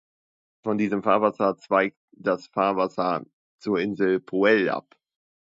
Von diesem Fahrwasser zweigt das Fahrwasser zur Insel Poel ab.